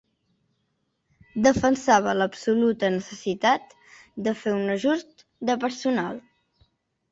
Defensava l’absoluta necessitat de fer un ajust de personal.